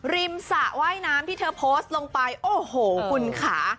สระว่ายน้ำที่เธอโพสต์ลงไปโอ้โหคุณค่ะ